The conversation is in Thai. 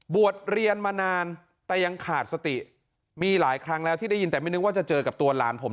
บวชเรียนมานานแต่ยังขาดสติมีหลายครั้งแล้วที่ได้ยินแต่ไม่นึกว่าจะเจอกับตัวหลานผม